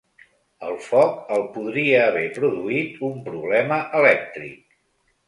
El foc el podria haver produït un problema elèctric.